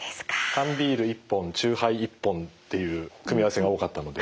缶ビール１本酎ハイ１本という組み合わせが多かったので。